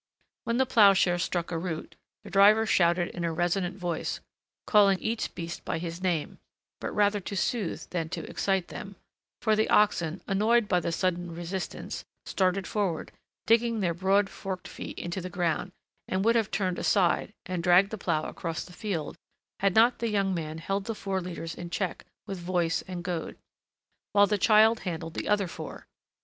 When the ploughshare struck a root, the driver shouted in a resonant voice, calling each beast by his name, but rather to soothe than to excite them; for the oxen, annoyed by the sudden resistance, started forward, digging their broad forked feet into the ground, and would have turned aside and dragged the plough across the field, had not the young man held the four leaders in check with voice and goad, while the child handled the other four.